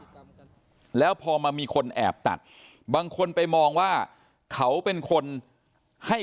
แล้วพอมามีคนแอบตัดบางคนไปมองว่าเขาเป็นคนให้